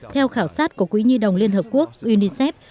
theo khảo sát của quỹ nhi đồng liên hợp quốc unicef